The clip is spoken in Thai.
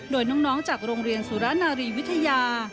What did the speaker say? โดยน้องจากโรงเรียนสุรนารีวิทยา